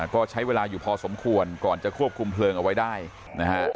ก็ใช้เวลาอยู่พอสมควรก่อนจะควบคุมเพลิงเอาไว้ได้นะฮะ